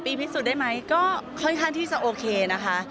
๒ปีพิสูจน์ได้ไหมก็ค่อยที่จะโอเคนะคะ